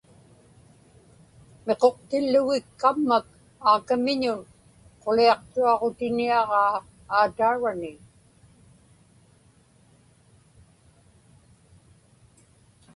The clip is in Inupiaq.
Miquqtillugik kammak Aakamiñun quliaqtuaġutiniaġaa aataurani.